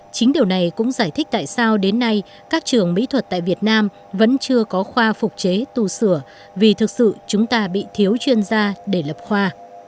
chính điều này cũng giải thích tại sao đến nay các trường mỹ thuật tại việt nam vẫn chưa có khoa phục chế tu sửa vì thực sự chúng ta bị thiếu chuyên gia để lập khoa